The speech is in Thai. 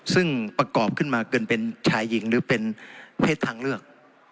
ซึ่งประกอบขึ้นมาเกินเป็นชายหญิงหรือเป็นเพศทางเลือก